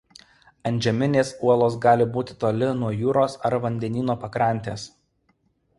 Antžeminės uolos gali būti toli nuo jūros ar vandenyno pakrantės.